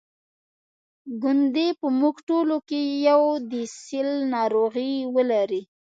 ګوندي په موږ ټولو کې یو د سِل ناروغي ولري.